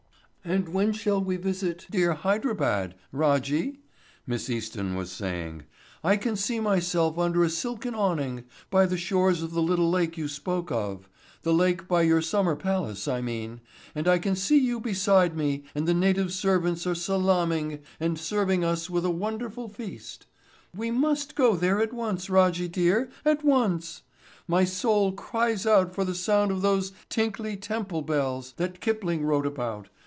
"And when shall we visit dear Hydrabad, Rajjy?" Miss Easton was saying. "I can see myself under a silken awning by the shores of the little lake you spoke of—the lake by your summer palace I mean, and I can see you beside me and the native servants are salaaming and serving us with a wonderful feast. We must go there at once, Rajjy dear, at once. My soul cries out for the sound of those 'tinkly temple bells' that Kipling wrote about.